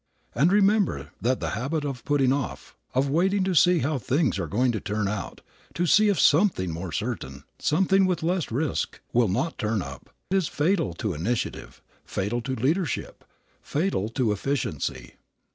And remember that the habit of putting off, of waiting to see how things are going to turn out, to see if something more certain, something with less of risk, will not turn up, is fatal to initiative, fatal to leadership, fatal to efficiency.